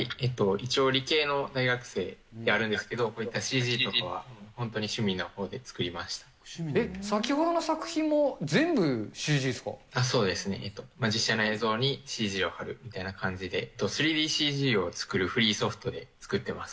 一応、理系の大学生であるんですけど、こういったＣＧ動画は、先ほどの作品も、全部ＣＧっそうですね、実写の映像にＣＧを貼るみたいな感じで、３ＤＣＧを作るフリーソフトで作ってます。